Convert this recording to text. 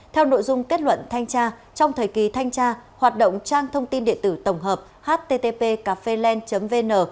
theo nội dung kết luận thanh tra trong thời kỳ thanh tra hoạt động trang thông tin điện tử tổng hợp http cafelen vn